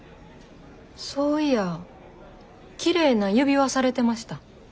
そういやきれいな指輪されてました。